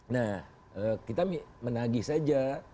nah kita menagih saja